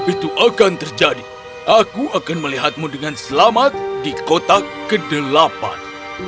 itu akan terjadi aku akan melihatmu dengan selamat di kota kedelapan